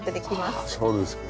ああそうですか。